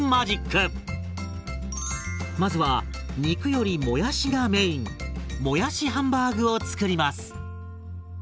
まずは肉よりもやしがメインもやしハンバーグを作ります。